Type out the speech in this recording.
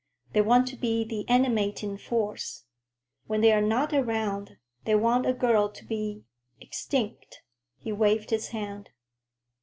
They want to be the animating force. When they are not around, they want a girl to be—extinct," he waved his hand.